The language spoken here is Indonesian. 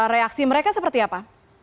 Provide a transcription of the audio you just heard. reaksi mereka seperti apa